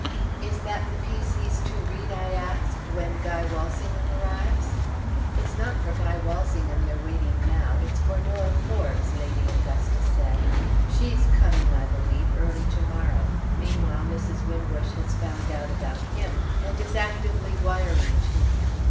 "'Is that the piece he's to read,' I asked, 'when Guy Walsingham arrives?' "'It's not for Guy Walsingham they're waiting now, it's for Dora Forbes,' Lady Augusta said. 'She's coming, I believe, early to morrow. Meanwhile Mrs. Wimbush has found out about him, and is actively wiring to him.